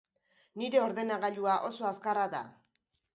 Nire ordenagailua oso azkarra da.